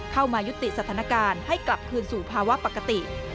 เข้ามายุติสถานการณ์ให้กลับคืนสู่ภาวะปกติ